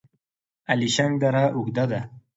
الیشنګ دره اوږده ده؟